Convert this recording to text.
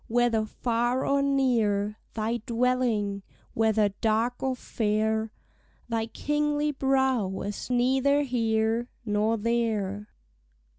Whether far or near Thy dwelling, whether dark or fair Thy kingly brow, is neither here Nor there.